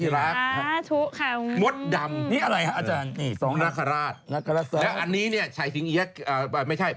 และอันนี้เนี่ยฉายษิงเยี้ยไม่ใช่